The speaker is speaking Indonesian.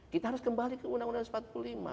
kita harus kembali ke undang undang dasar empat puluh lima